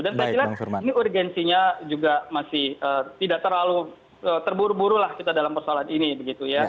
dan saya silakan ini urgensinya juga masih tidak terlalu terburu buru lah kita dalam persoalan ini begitu ya